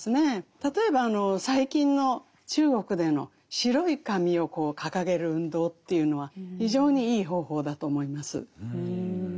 例えば最近の中国での白い紙をこう掲げる運動というのは非常にいい方法だと思います。